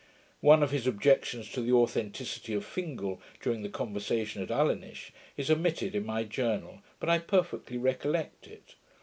One of his objections to the authenticity of Fingal, during the conversation at Ulinish, is omitted in my Journal, but I perfectly recollect it.